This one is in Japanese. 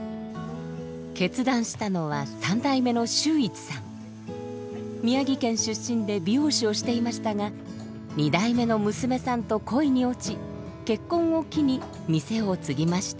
決断したのは宮城県出身で美容師をしていましたが２代目の娘さんと恋に落ち結婚を機に店を継ぎました。